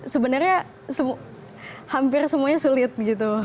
sebenarnya hampir semuanya sulit gitu